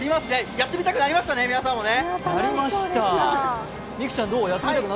やってみたくなりましたね、皆さんもね。